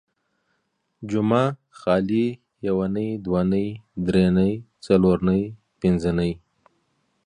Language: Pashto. جمعه ، خالي ، يونۍ ،دونۍ ، دري نۍ، څلور نۍ، پنځه نۍ